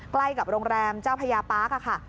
ใกล้กับโรงแรมเจ้าพญาปาร์คค่ะ